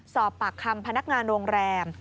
สอบปากคำพนักงานโรงแรม